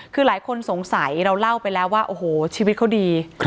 คือหลายคนสงสัยเราเล่าไปแล้วว่าโอ้โหชีวิตเขาดี